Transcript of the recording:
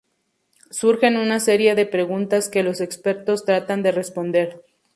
Surgen una serie de preguntas que los expertos tratan de responder.